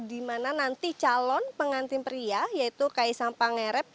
di mana nanti calon pengantin pria yaitu kaisang pangarep